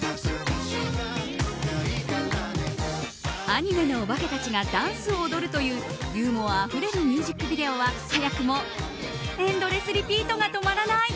アニメのおばけたちがダンスを踊るというユーモアあふれるミュージックビデオは早くもエンドレスリピートが止まらない